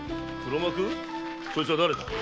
そいつはだれだ？